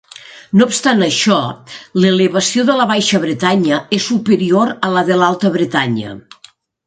No obstant això, l'elevació de la Baixa Bretanya és superior a la de l'Alta Bretanya.